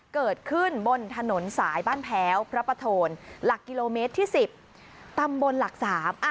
เกิดขึ้นบนถนนสายบ้านแพ้วพระประโทนหลักกิโลเมตรที่๑๐ตำบลหลักสาม